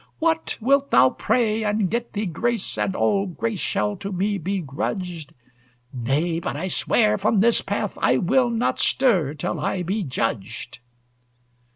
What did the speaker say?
"What, wilt thou pray, and get thee grace, And all grace shall to me be grudged? Nay, but I swear, from this thy path I will not stir till I be judged!"